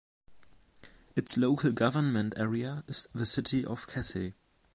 Its local government area is the City of Casey.